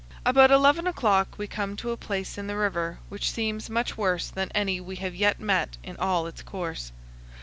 About eleven o'clock we come to a place in the river which seems much worse than any we have yet met in all its course.